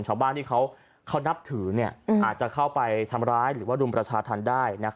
ชาวบ้านที่เขานับถืออาจจะเข้าไปทำร้ายหรือว่ารุมประชาธรรมได้